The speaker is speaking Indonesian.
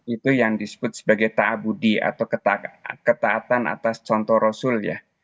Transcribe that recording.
itu yang disebut sebagai ⁇ taabudi atau ketaatan atas contoh rasul ya